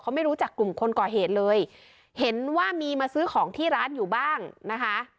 ไม่รู้จักกลุ่มคนก่อเหตุเลยเห็นว่ามีมาซื้อของที่ร้านอยู่บ้างนะคะ